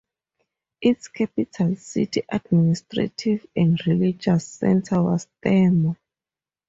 Its capital city, administrative and religious center was Thermo.